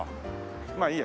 まあいいや。